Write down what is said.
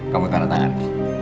kamu tanda tangan